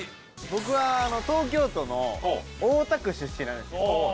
僕は東京都の大田区出身なんですけど。